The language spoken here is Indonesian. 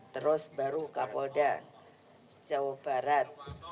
terus baru kapolda jawa barat